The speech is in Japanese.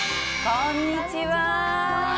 こんにちは。